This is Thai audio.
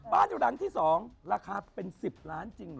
บ้านอยู่หลังที่๒ราคาเป็น๑๐ล้านจริงเหรอ